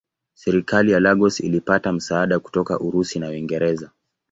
Serikali ya Lagos ilipata msaada kutoka Urusi na Uingereza.